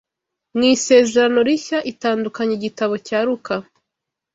Mu Isezerano Rishya, itandukanya igitabo cya Luka